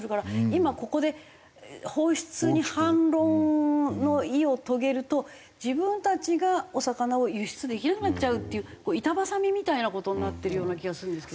今ここで放出に反論の意を遂げると自分たちがお魚を輸出できなくなっちゃうっていう板挟みみたいな事になってるような気がするんですけど。